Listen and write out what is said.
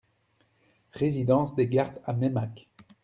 Résidence des Gardes à Meymac